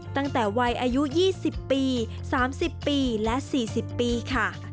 ตั้งแต่วัยอายุ๒๐ปี๓๐ปีและ๔๐ปีค่ะ